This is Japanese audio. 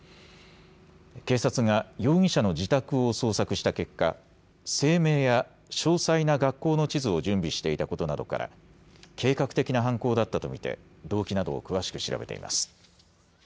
警察が容疑者の自宅を捜索した結果、声明や詳細な学校の地図を準備していたことなどから計画的な犯行だったと見て動機などを詳しく調べています。